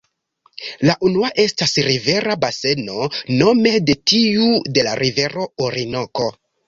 La unua estas rivera baseno, nome tiu de la rivero Orinoko.